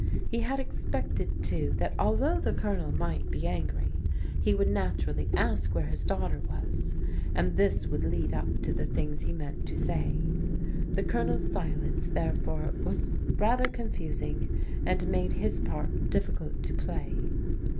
He had expected, too, that al though the Colonel might be angry, he would naturally' ask where his daughter was, and this would lead up to the things he meant to say. The Colonel's silence, there fore, was rather confusing, and made his part difficult to play.